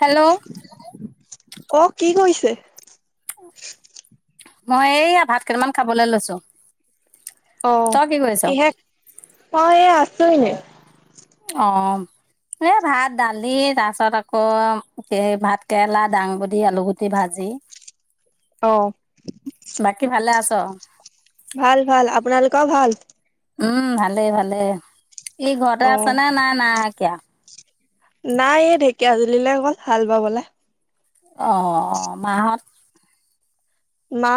Hello. অ', কি কৰিছে? মই এইয়া ভাত কেইটামান খাবলৈ লৈছো। অ', তই কি কৰিছ কিহে অ' এই আছো এনে। অ'। এই ভাত দালি তাৰ পিছত আকৌ এই ভাত কেৰেলা দাংবদি আলুগুটি ভাজি। অ'। বাকী ভালে আছ? ভাল ভাল, আপোনালোকৰ ভাল? উম, ভালেই ভালেই ই ঘৰতে অ আছে নে নাই নাই কিয়া? নাই ঢেকীয়া জুলিলে গ'ল হাল বাবলে। অ', অ', মাহত? মা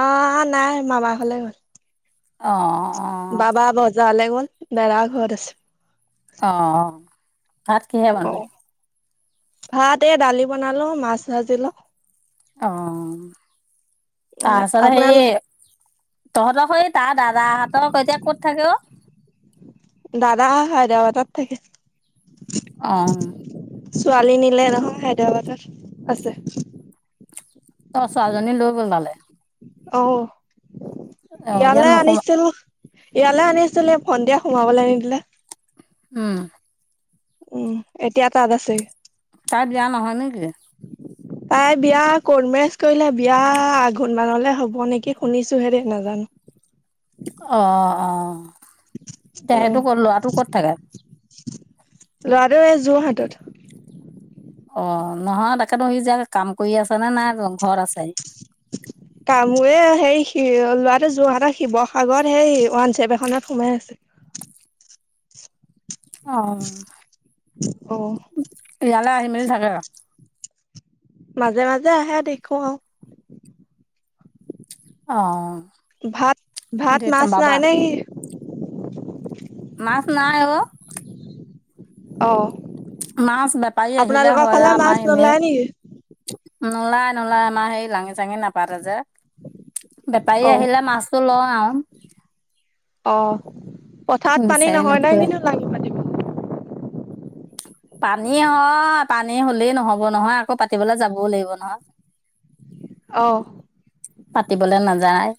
নাই মামা ঘলে গ'ল। অ'। অ বাবা বজাৰলৈ গ'ল দাদা ঘৰত আছে। অ', ভাত কিহে অ বনালি? ভাত এ দালি বনালো মাছ ভাজিলো। অ', অ তাৰপিছত হেৰি আপোনালোক তহঁতৰ সেই তাৰ দাদাহঁত এতিয়া ক'ত থাকে অ'? দাদা হায়দাবাদত থাকে। অ'। ছোৱালী নিলে নহয় হায়দৰাবাদত আছে। অ', ছোৱালিজনী লৈ গ'ল মানে? অহ অ ইয়াত ইয়ালে নোসোমা আনিছিল। ইয়ালৈ আনিছিলে ভন্তীয়ে সোমাবলৈ নিদিলে। উম। উম, এতিয়া তাত আছে। তাই বিয়া নহয় নেকি? [inaudible] তাই বিয়া ক'টমেৰেজ কৰিলে বিয়া আঘোণ মানলৈ হ'ব নেকি শুনিছো হে দে নাজানো। অ', অ', এতিয়া অ' সেইটো ক'ত ল'ৰাটো ক'ত থাকে? ল'ৰাটো এই যোৰহাটত। অ', নহয় তাকেতো সি যে কাম কৰি আছ নে নাই ঘৰত আছে? [inaudible] কাম কৰি সেই ল'ৰাটো যোৰহাটৰ শিৱসাগৰত সেই ওৱান চেভ এখনত সোমাই আছে। অ', অ' ইয়ালৈ আহি মেলি থাকে? মাজে মাজে আহে দেখো আৰু। অ'। ভাত ভাত দে মাছ বাবা নাই নে কি? মাছ নাই অ'। অ'। মাছ বেপাৰী আহিলে আপোনালোকৰ হয় ফালে মাছ আমাৰ এনে নোলায় নেকি? নোলাই নোলাই আমাৰ সেই লাঙি চাঙি নাপাতে যে। বেপাৰী অ' আহিলে মাছটো লওঁ আৰু। অ পথাৰত পানী বিচাৰি নহয় নাই নুফুৰে। কিন্তু লাগি পানী পানী হয় পানী হ'লেই নহব নহয় আকৌ পাতিবলৈ যাবও লাগিব নহয় অ পাতিবলৈ নাযায়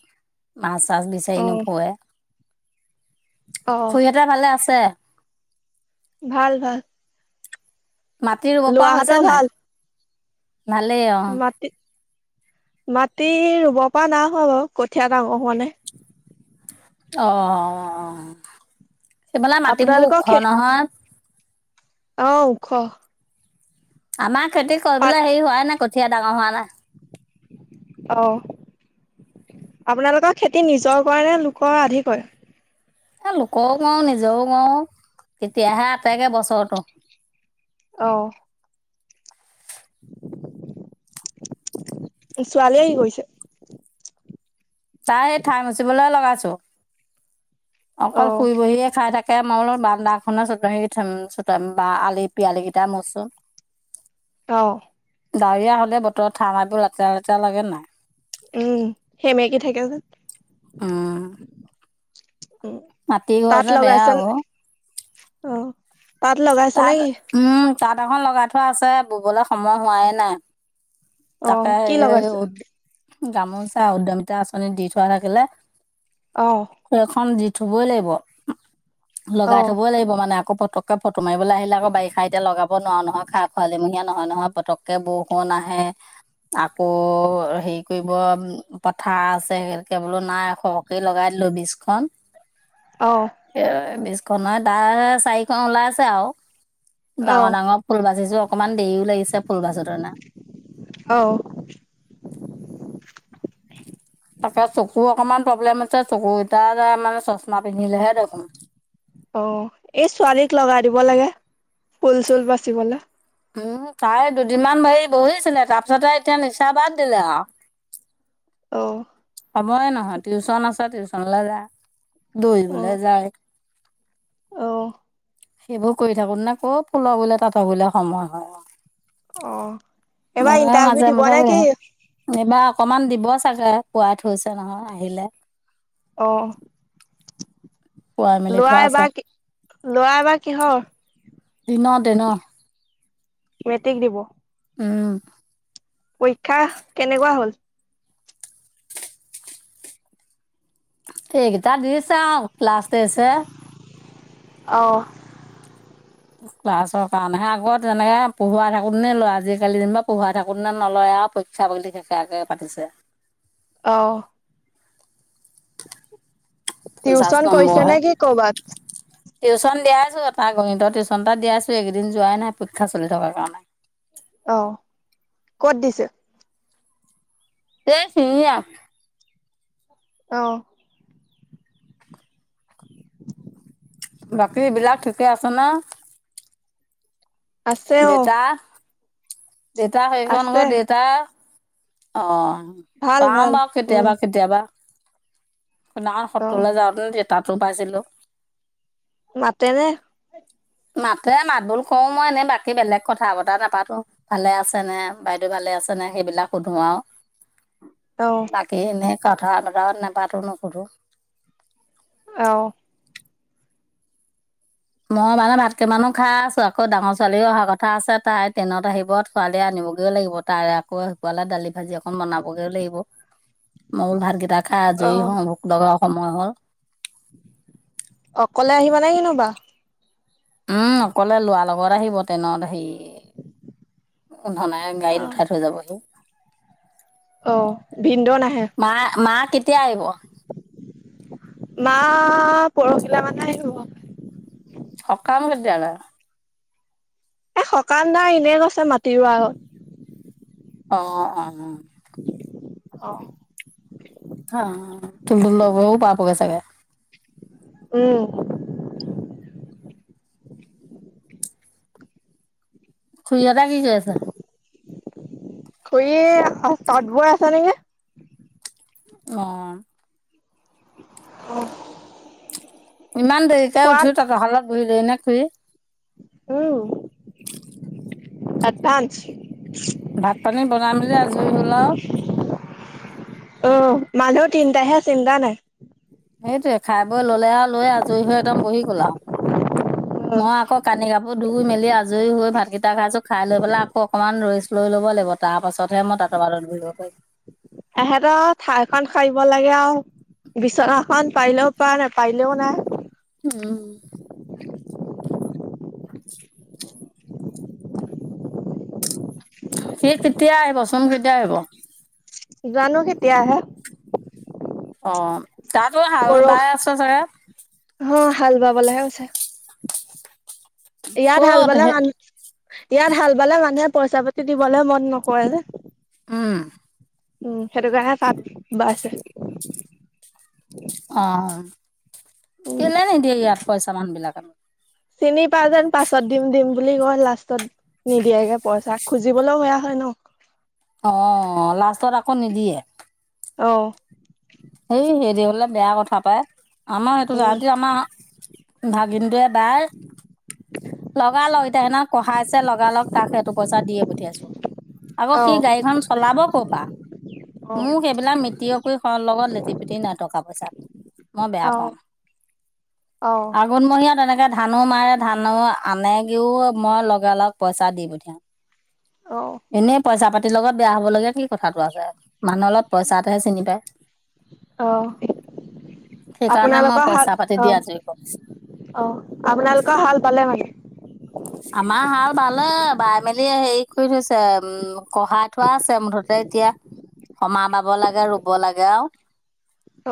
মাছ চাছ বিচাৰি অ' নোপুৱে অ ভালে আছে ভাল ভাল মাটি ৰুব পৰা হৈছে ল'ৰাহঁতৰ নাই ভাল ভালেই আৰু মাটি মাটি ৰুব পৰা নাই হোৱা বাৰু কঠীয়া ডাঙৰ হোৱা নাই অ অ সেইফালে মাটিবোৰ আপোনালোকৰ ওখ খে নহয় অ খ আমাৰ খেতি পাত কৰিবলৈ হেৰি হোৱাই নাই কঠীয়াা ডাঙৰ হোৱা নাই অ আপোনালোকৰ খেতি নিজৰ কৰে নে লোকৰ আধি কৰে এই লোকও কৰো নিজৰও কৰো তেতিয়াহে আটেগৈ বছৰটো অ ছোৱালীয়ে আহি গৈছে তাই ঠাই মচিবলৈ লগাইছো অ অকল শুই বহিয়ে খাই থাকে তাকে মল বানাখনৰ চত বা আলি পিয়ালি কেইটা মচো অহ ডাৱৰীয়া হলে বতৰত ঠা মাইবোৰ লেতেৰা লেতেৰা লাগে নাই উম সেমেকে থাকেচোন উম উ মাটি ঘৰ তাত যে বেয়া লগাইছে অ অ তাত লগাইছে নে তাত কি? উম তাঁাট এখন লগাই থোৱা আছে ববলৈ সময় হোৱাই নাই অ তাকে কি লগাইছে? গামোচা উদ্যমিতা আঁচনি দি থোৱা থাকিলে অ সখন দি থবই লাগিব অ লগাই থবই লাগিব মানে আকৌ পতক তোমাৰিবলৈ আহিলে আক বাৰিষা এতিয়া লগাব নোৱাৰ নহয় খোৱালিমহাত নহয় নহয় পতককে বৰষুণ আহে আকৌ হেৰি কৰিব পথাৰ আছে সকে বোলো নাই সৰহকে লগাই দিলো বিীজখন অঁ এ বিশখন হয় তাৰ চাৰিখন ওলাই আছে আৰু অ ডাঙৰ ডাঙৰ ফুল বাজিছো অকণমান দেৰিও লাগিছে ফুল ভজো তৰ নে অ তাকে চকু অকণমান প্ৰব্লেম আছে চকু কেইটা যে মানে চশমা পিন্ধিলেহে দেখোন অ এই ছোৱালীক লগাই দিব লাগে ফুল চুল বাচিবলৈ উম চাৰে দুদিনমান ভৰি বহিছিলে তাৰ পিছতে এতিয়া নিচা বাদ দিলে আৰু অ হ'বই নহয় টিউচন আছে টিউচনলৈ যা অ দৌৰিবলৈ যায় অ সেইবোৰ কৰি থাকো নে ক'ত ফুলৰ বুললে তাত বুললে সময় হয় অ ম এইবাৰ ইণ্টাৰভিউ মাজা দিব মাজা ব নে কি? এইবাৰ অকমান দিব চাগে পোৱাই থৈছে নহয় আহিলে অ পুৱাই মেলি লোৱা থোৱা আছে এবাৰ কি লোৱা এ বাৰ কিহৰ দিনতে ন মেট্ৰিক দিব উম পৰীক্ষা কেনেকুৱা হ'ল এইকেইটা দি চাও লাষ্টতেজ হে অ'। ক্লাছৰ কাৰণেহে আগত তেনেকে পঢ়ুৱাই থাকো নে লয়, আজিকালি যেনিবা পঢ়াই থাকো নে নলয় আৰু প ছাগলীটো কে কে পাতিছে। অ'। পঞ্চাছ টিউশচন কৰিছে নে নম্বৰহে কি কৰ'বাত? টিউচন দিয়াইছোঁ, এটা গণিতৰ টিউচন এটা দিয়াইছোঁ। কেইদিন যোৱাই নাই পৰীক্ষা চলি থকাৰ কাৰণে। অ'। ক'ত দিছে? এই চিঙীয়া। অ'। বাকীবিলাক ঠিকে আছে নে? আছে অ'। দেউতা দেউতা সেইখন আছে দেউতা, অ', অ'। ভাল পাম ভাল বা উম কেতিয়াবা কেতিয়াবা। সেইদিনাখন অহ সত্ৰলৈ যাওঁতে যে তাতো পাইছিলোঁ। মাতেনে? মাতে, মাত বোল কৰো মই, এনেই বাকী বেলেগ কথা বতা নাপাতো। ভালে আছেনে, বাইদেউ ভালে আছেনে, সেইবিলাক সুধো আৰু। [inaudible] বাকী এনে কথা বতৰা নপাতো, নকোধো। অ'। মই মানে ভাতকেইমানো খাই আছোঁ আকৌ ডাঙৰ ছোৱালীও অহাৰ কথা আছে, তাই ট্ৰেইনত আহিব ছোৱালীয়ে আনিবগৈও লাগিব। তাৰে আকৌ সেকুৱালে দালি ভাজি একণ বনাবগেও লাগিব। মই বুলো ভাতকেইটা খাই আজৰি অহ হওঁ, ভোক লগাও সময় হ'ল। অকলে আহিবা নাই কোনোবা? উম, অকলে লোৱাৰ লগত আহিব টেইনত হেৰি, ধন গাড়ীত অহ উঠাই থৈ যাব সি। অ' ভিন্দ' নাহে? মা, মা কেতিয়া আহিব? মা পৰহিলা মানেহে আহিব। সকাম কেতিয়ালে? এ, সকান নাই এনেই কৈছে, মাটিৰ ল'ৰা আৰু। অ', অ'। অ'। হা, টোন টোনহঁতৰ ঘৰো পাব গে চাগে। উম। খুৰীহতে কি কৰি আছে? খুৰী তাঁত বৈ আছ নেকি। অ'। অফ ইমান দেৰিকে উঠিও তাতৰ সালত বহিলেই নে খুৰী? উম, এডভান্স। ভাত পানী বনাই মেলি আজৰি হ'ল আৰু। অ' মানুহ তিনটাহে চিন্তা নাই। সেইটোৱে খাই বৈ ল'লে আৰু লৈ আজৰি হৈ একদম বহি গ'ল আৰু। অ' মই আকৌ কানি কাপোৰ ধুই মেলি আজৰি হৈ ভাত কেইটা খাইছোঁ খাই লৈ পেলাই আকৌ অকণমান ৰেষ্ট লৈ ল'ব লাগিব তাৰ পাছতহে মই তাঁতৰ শালত বহিব পাৰিম। এহেঁতৰ ঠাইখন খাৰিব লাগে আৰু বিচনাখন পাৰিলেও পাৰ নাপাৰিলেও নাই। উম। সি কেতিয়া আহিবচোন কেতিয়া আহিব? জানো কেতিয়া আহে। অ'। তাতো হাল বাই পৰসি, আছে চাগে হাল বাবলেহে গৈছে। ইয়াত হাল ক'ত বালে, হে মানুহ ইয়াত হাল বালে মানুহে পইচা পাতি দিবলৈ মন নকৰে যে। উম। উম, সেইটো কাৰণে তাত বাইছে। অ', উম কেলে নিদিয়ে ইয়াত পইচা মানুহ বিলাকে নু? চিনি পাই যেন পাছত দিম দিম বুলি কয় লাষ্টত নিদিয়াকে পইচা খুজিবলৈও বেয়া হয় ন'। অ' লাষ্টত আকৌ নিদিয়ে। অ'। সেই হেৰি হলে বেয়া কথা পাই আমাৰ সেইটো উম যতে আমাৰ ভাগিনটোৱে তাইৰ লগালগ এতিয়া সেইদিনা কঢ়াইছে লগালগ তাক সেইটো পইচা দিয়ে পঠিয়াইছো। আকৌ সি অ' গাড়ীখন চলাব কৰ'পা, মোক সেইবিলাক মিতিৰৰ লগত লেটি পিটি নাই টকা পইচা, মই বেয়া অ' পাওঁ অ' আাগুণমহীয়াত তেনেকে ধানো মাৰে ধানো আনেগেও মই লগা লগ পইচা দি পঠিয়াও। অ'। এনেই পইচা পাতিৰ লগত বেয়া হবলগীয়া কি কথাটো আছে, মানুহৰ লগত পইচাটাহে চিনি পায়। অ সেইকাৰণে মই 'আপোনালোকৰ পইচা হাল পাতি দি অ' আজৰি কৰো অ' আপোনালোকৰ হাল বালে মানে? আমাৰ হাল বালে বাই মেলি হেৰি কৰি থৈছে, উম' কঢ়াই থোৱা আছে মুঠতে এতিয়া, সমা বাব লাগে ৰুব লাগে আৰু।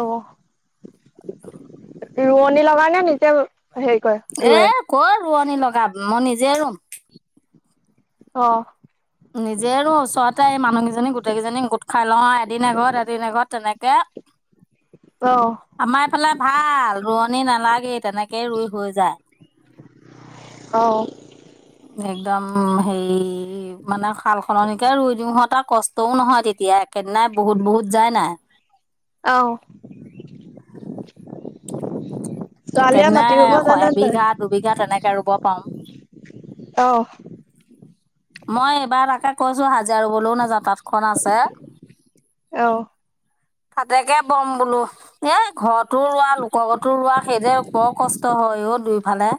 অ'। [inaudible] ৰোৱনী লগা নে নিজে, হেৰি কৰে? এ ৰুৱে কৰ ৰোৱনী লগাৱ, মই নিজে ৰুম। অ'। নিজে ৰোঁ ওচৰতে এই মানুহকেইজনী গোটেই কেইজনী গোট খাই লওঁ এদিন এঘৰত এদিন এঘৰত তেনেকে। অ'। আমাৰ এইফালে ভাল ৰোৱনী নালাগেই তেনেকে একে ৰুই হৈ যায়। একদম সেই মানে সাল সলনিকে ৰুই দিওঁ ইহঁতৰ কষ্টও নহয় তেতিয়া একেদিনাই বহুত বহুত যায় নাই। অ'। ছোৱালীয়ে মাটি একেদিনাই ৰুব জানে নে নাই এবিঘা দুবিঘা তেনেকে ৰুব পাৰো। অ'। মই এইবাৰ তাকে কৈছো হাজিৰা ৰুবলৈও নাযাওঁ তাতখন আছে। অ'। তাতেকে বম বোলো। এ ঘৰতো ৰোৱা লোকৰ ঘৰতো ৰোৱা সেইদ বৰ কষ্ট হয় দুইফালে।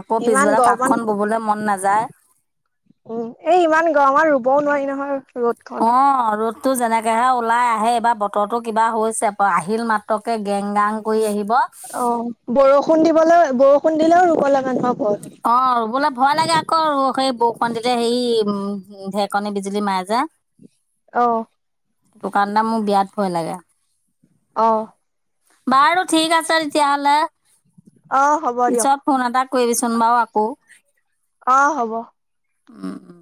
আকৌ ইমান পিছবেলা তাঠ গৰমত খন ববলৈ মন নাযায়। উম এই ইমান গৰ আমাৰ ৰুবও নোৱাৰি নহয়, ৰ'দ অ' ৰদ তো যেনেকৈহে ওলাই আহে এইবাৰ বতৰটো কিবা হৈছে আহিল মাত্ৰকৈ গেং গাং কৰি আহিব। অ' বৰষুণ দিবলৈ, বৰষুণ দিলেও ৰুব লাগা নহয় বত। অ' ৰুবলে ভয় লাগে আকৌ, ৰ সেই বৰ কণতে হে ঢেকনি বিজুলী মাৰে যে। অ'। টোকাণ এটা মোৰ বিয়াত ভয় লাগে। বাৰু ঠিক আছে তেতিয়াহলে, অহ অ হ'ব দিয়ক পিছত ফোন এটা কৰিবিচোন বাৰু আকৌ। অহ, হ'ব। উম', উম'।